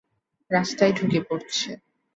রাস্তায় ঢুকে পড়ছে।